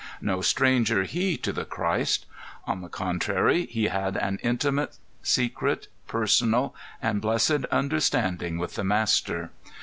No stranger, he, to the Christ. On the contrary, he had an intimate, secret, personal and blessed understanding with the Master.